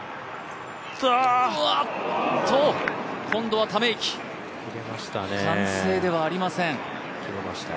今度はため息、歓声ではありません１３